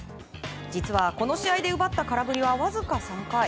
実は、この試合で奪った空振りはわずか３回。